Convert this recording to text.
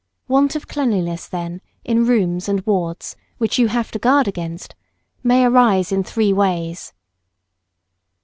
Want of cleanliness, then, in rooms and wards, which you have to guard against, may arise in three ways.